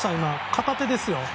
片手ですよ。